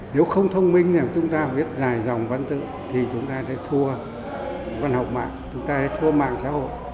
nếu không thông minh thì chúng ta biết dài dòng văn tựa thì chúng ta sẽ thua văn học mạng chúng ta sẽ thua mạng xã hội